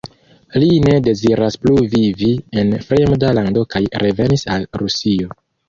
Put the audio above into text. Li ne deziras plu vivi en fremda lando kaj revenis al Rusio.